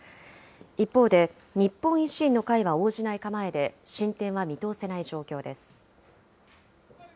一方で、日本維新の会は応じない構えで、進展は見通せない状況です。